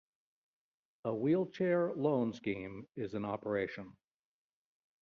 A wheelchair loan scheme is in operation.